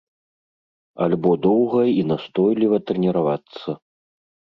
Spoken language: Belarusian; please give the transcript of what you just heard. Альбо доўга і настойліва трэніравацца.